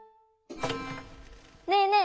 ねえねえ